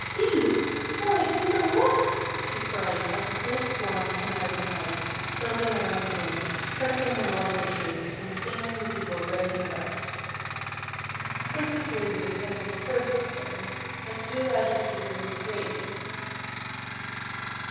Bees I why, these are wasps !" she cried, as a whole swarm came out of the hive, buzzing about the room, settling on all the dishes, and stinging the people right and left. Princess Ruby was one of the first stung, and flew out of the room screaming.